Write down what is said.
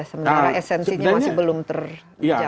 sementara esensinya masih belum terjaga